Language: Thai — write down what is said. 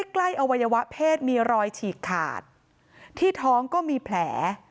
อวัยวะเพศมีรอยฉีกขาดที่ท้องก็มีแผล